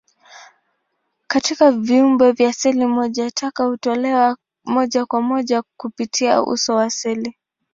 Katika viumbe vya seli moja, taka hutolewa moja kwa moja kupitia uso wa seli.